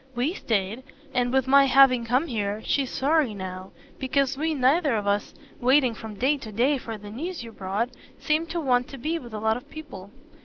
WE stayed and, with my having come here, she's sorry now because we neither of us, waiting from day to day for the news you brought, seemed to want to be with a lot of people."